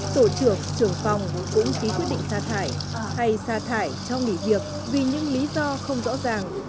tổ chưởng trưởng phòng cũng ký quyết định sa thải hay sa thải trong nghỉ việc vì những lý do không rõ ràng